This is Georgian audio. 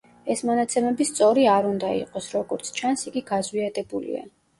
ეს მონაცემები სწორი არ უნდა იყოს, როგორც ჩანს, იგი გაზვიადებულია.